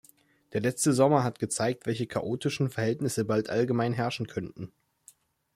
Der letzte Sommer hat gezeigt, welche chaotischen Verhältnisse bald allgemein herrschen könnten.